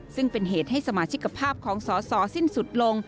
ซึ่งเป็นเหตุให้สมาชิกภาพของสอสอสิ้นสุดลง